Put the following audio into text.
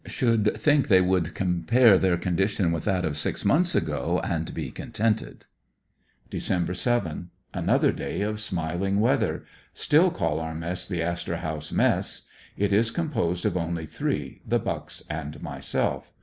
Should think they would compare their condition with that of six months ago and be con tented. Dec. 7. — Another day of smiling weather. Still call our mess the ''Astor House Mess " It is composed of only three — the Bucks and myself.